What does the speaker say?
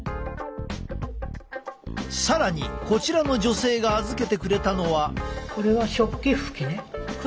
更にこちらの女性が預けてくれたのは。